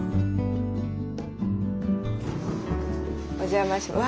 お邪魔します。